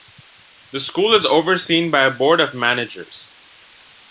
The school is overseen by a Board of Managers.